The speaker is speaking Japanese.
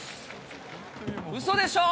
うそでしょ？